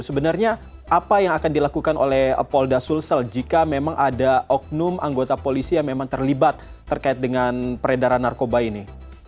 sebenarnya apa yang akan dilakukan oleh polda sulsel jika memang ada oknum anggota polisi yang memang terlibat terkait dengan peredaran narkoba ini